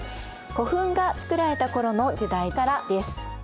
古墳が造られた頃の時代からです。